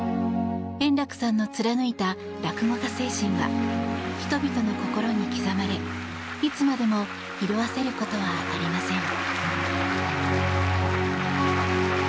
円楽さんの貫いた落語家精神は人々の心に刻まれ、いつまでも色あせることはありません。